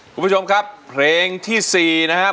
คุณผู้ชมครับเพลงที่๔นะครับ